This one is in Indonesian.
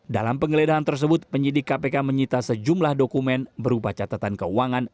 dalam penggeledahan tersebut penyidik kpk menyita sejumlah dokumen berupa catatan keuangan